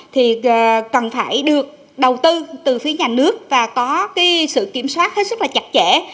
thì cần phải được đầu tư từ phía nhà nước và có sự kiểm soát rất là chặt chẽ